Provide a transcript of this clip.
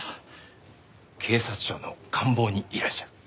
警察庁の官房にいらっしゃる。